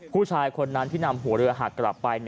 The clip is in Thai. ผู้ชายคนนั้นที่นำหัวเรือหักกลับไป